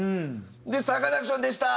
でサカナクションでした！